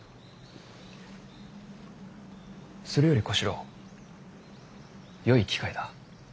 それより小四郎よい機会だ。